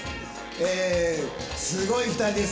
えすごい２人です